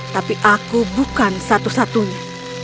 tapi aku bukan satu satunya